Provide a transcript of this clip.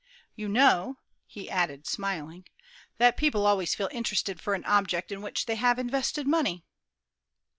You know," he added, smiling, "that people always feel interested for an object in which they have invested money."